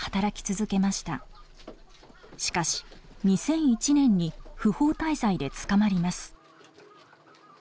しかし２００１年に不法滞在で捕まります。